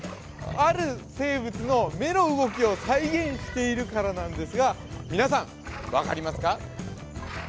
ある生物の目の動きを再現しているからなんですが皆さん分かりますか？